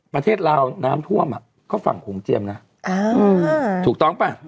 ไปน้ำถั่วมอ่ะก็ฝั่งโหงเจียมนะอ๋อถูกต้องป่ะ